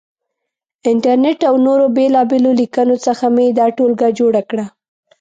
انټرنېټ او نورو بېلابېلو لیکنو څخه مې دا ټولګه جوړه کړه.